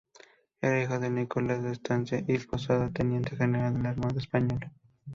Era hijo de Nicolás de Estancia y Posada, teniente general de la Armada Española.